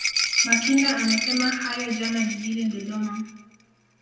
Makinda amesema hayo jana jijini Dodoma